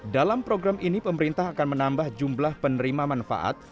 dalam program ini pemerintah akan menambah jumlah penerima manfaat